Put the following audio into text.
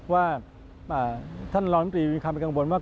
ว่าท่านรองตรีมีความเป็นกังวลว่า